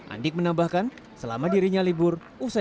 andik menambahkan selama dirinya libur usai